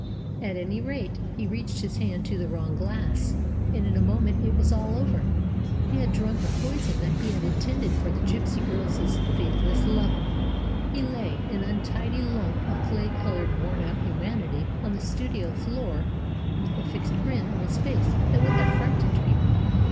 At any rate, he reached his hand to the wrong glass, and in a moment it was all over. He had drunk the poison that had been intended for the gipsy girl's faith less lover. He lay, an untidy lump of clay colored wornout humanity, on the studio floor with a fixed grin on his face that would have frightened people.